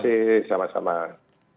terima kasih selamat selamat